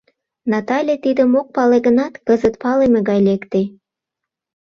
Натале тидым ок пале гынат, кызыт палыме гай лекте.